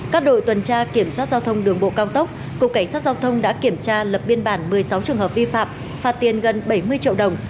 các đội tuần tra kiểm soát giao thông đường bộ cao tốc cục cảnh sát giao thông đã kiểm tra lập biên bản một mươi sáu trường hợp vi phạm phạt tiền gần bảy mươi triệu đồng